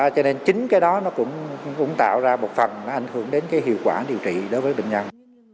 cho nên chính cái đó nó cũng tạo ra một phần nó ảnh hưởng đến cái hiệu quả điều trị đối với bệnh nhân